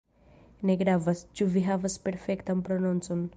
Ne gravas, ĉu vi havas perfektan prononcon.